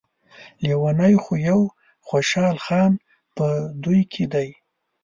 لیونی خو يو خوشحال خان په دوی کې دی.